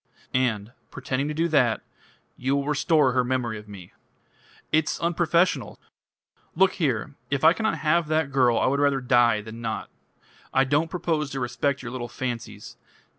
"And, pretending to do that, you will restore her memory of me." "It's unprofessional." "Look here! If I cannot have that girl I would rather die than not. I don't propose to respect your little fancies.